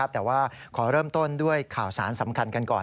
แต่ว่าขอเริ่มต้นด้วยข่าวสารสำคัญกันก่อน